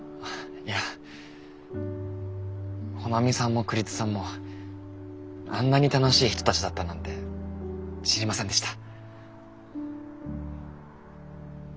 いや穂波さんも栗津さんもあんなに楽しい人たちだったなんて知りませんでした。